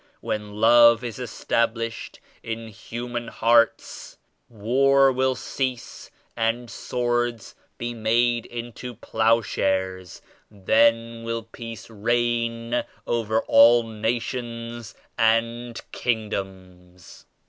When Love is established in human hearts, war will cease and swords be made into plowshares. Then will Peace reign over all nations and kingdoms."